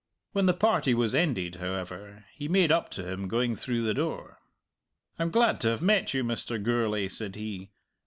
When the party was ended, however, he made up to him going through the door. "I'm glad to have met you, Mr. Gourlay," said he.